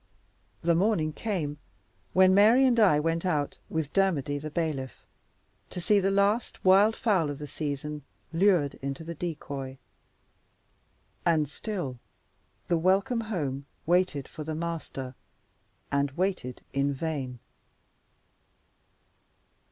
The morning came when Mary and I went out with Dermody, the bailiff, to see the last wild fowl of the season lured into the decoy; and still the welcome home waited for the master, and waited in vain.